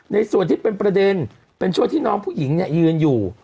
ส่วนที่เป็นประเด็นเป็นช่วงที่น้องผู้หญิงยืนอยู่